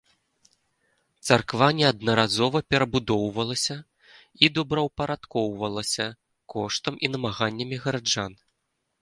Царква неаднаразова перабудоўвалася і добраўпарадкоўвалася коштам і намаганнямі гараджан.